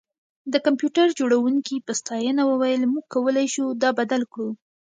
د کمپیوټر جوړونکي په ستاینه وویل موږ کولی شو دا بدل کړو